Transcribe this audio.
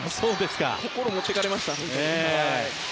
心を持っていかれました。